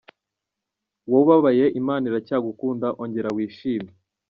Wowe ubabaye, Imana iracyagukunda ongera wishime!.